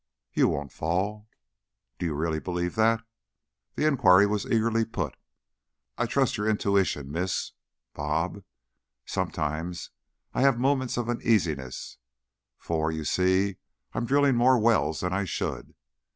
"You won't fall." "Do you really believe that?" The inquiry was eagerly put. "I'd trust your intuition, Miss "Bob." Sometimes I have moments of uneasiness, for, you see, I'm drilling more wells than I should.